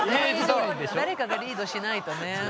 そう誰かがリードしないとね。